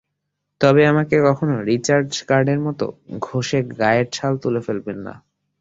তবে আমাকে কখনো রিচার্জ কার্ডের মতো ঘষে গায়ের ছাল তুলে ফেলবেন না।